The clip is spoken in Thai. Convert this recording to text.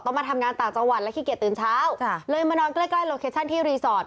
มาทำงานต่างจังหวัดแล้วขี้เกียจตื่นเช้าเลยมานอนใกล้ใกล้โลเคชั่นที่รีสอร์ท